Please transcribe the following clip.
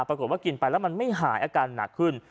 ปรากฏว่ากินไปแล้วมันไม่หายอาการหนักขึ้น